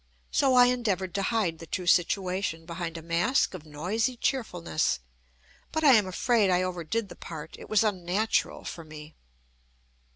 So I endeavoured to hide the true situation behind a mask of noisy cheerfulness. But I am afraid I overdid the part: it was unnatural for me.